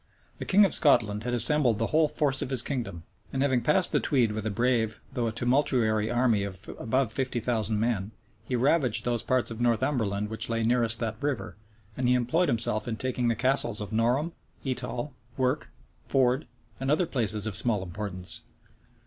The king of Scotland had assembled the whole force of his kingdom; and having passed the Tweed with a brave, though a tumultuary army of above fifty thousand men, he ravaged those parts of Northumberland which lay nearest that river, and he employed himself in taking the Castles of Norham, Etal, Werke, Ford, and other places of small importance.